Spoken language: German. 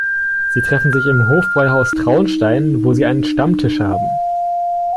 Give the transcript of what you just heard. Sie treffen sich im Hofbräuhaus Traunstein, wo sie einen Stammtisch haben.